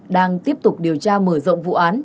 đang tiếp tục điều tra mở rộng vụ án